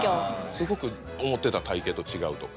すごく思ってた体形と違うとか。